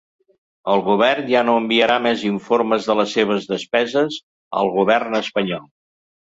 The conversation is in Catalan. El govern ja no enviarà més informes de la seves despeses al govern espanyol.